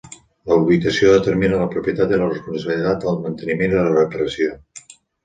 La ubicació determina la propietat i la responsabilitat del manteniment i la reparació.